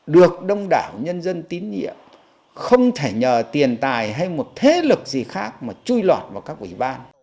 được đông đảo nhân dân tín nhiệm không thể nhờ tiền tài hay một thế lực gì khác mà chui lọt vào các ủy ban